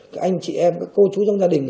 các anh chị em các cô chú trong gia đình